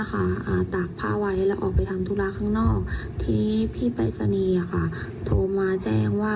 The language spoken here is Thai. คือมีสองราว